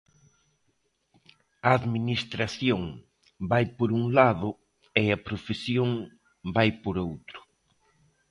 A administración vai por un lado e a profesión vai por outro.